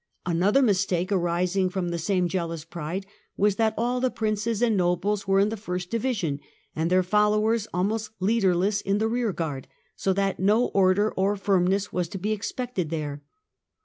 Another mistake, arising from the same jealous pride, was that all the princes and nobles were in the first division, and their followers almost leaderless in the rearguard, so that no order or firmness was to be expected there.